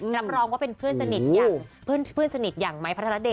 นำรองว่าเป็นเพื่อนสนิทอย่างมัย